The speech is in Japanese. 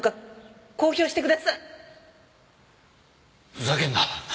ふざけんな。